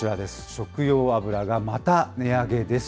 食用油がまた値上げです。